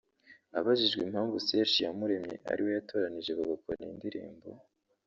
Abajijwe impamvu Serge Iyamuremye ari we yatoranyije bagakorana indimbo